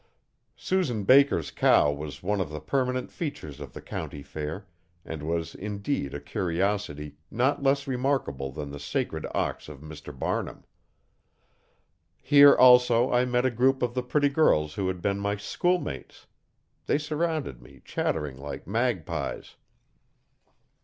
Susan Baker's cow was one of the permanent features of the county fair, and was indeed a curiosity not less remarkable than the sacred ox of Mr Barnum. Here also I met a group of the pretty girls who had been my schoolmates. They surrounded me, chattering like magpies.